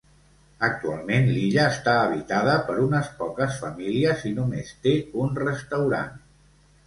Actualment, l'illa està habitada per unes poques famílies i només té un restaurant.